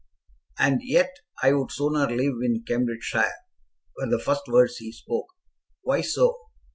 "And yet I would sooner live in Cambridgeshire," were the first words he spoke. "Why so?"